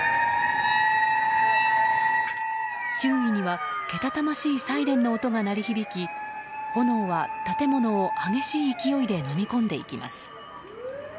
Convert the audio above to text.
周囲には、けたたましいサイレンの音が鳴り響き炎は建物を激しい勢いでのみ込んでいきます。